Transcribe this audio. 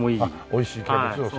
美味しいキャベツを。